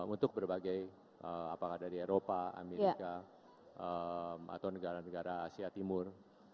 untuk berbagai apakah dari eropa amerika atau negara negara asia timur